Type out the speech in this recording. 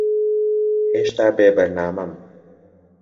ھێشتا بێبەرنامەم.